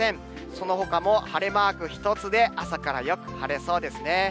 そのほかも晴れマーク１つで、朝からよく晴れそうですね。